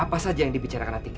apa saja yang dibicarakan nanti